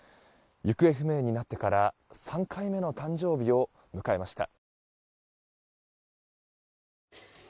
行方不明になってから３回目の誕生日を迎えました。